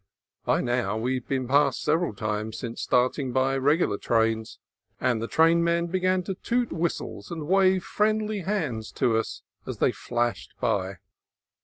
By now we had been passed several times, since starting, by regular trains, and the trainmen began to toot whistles and wave friendly hands to us as they flashed past.